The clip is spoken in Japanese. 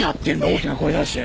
大きな声出して！